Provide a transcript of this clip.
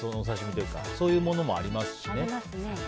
そういうものもありますしね。